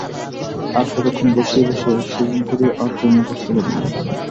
আর কতক্ষণ বসিয়া বসিয়া শুভঙ্করীর আর্য মুখস্থ করিবে?